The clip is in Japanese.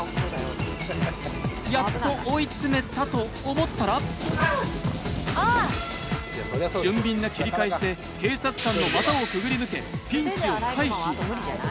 やっと追い詰めたと思ったら俊敏な切り返しで警察官の股をくぐり抜けピンチを回避。